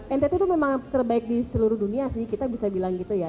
ntt itu memang terbaik di seluruh dunia sih kita bisa bilang gitu ya